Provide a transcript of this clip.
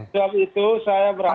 setelah itu saya berharap